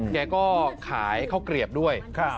แกก็ขายข้าวเกลียบด้วย